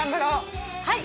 はい。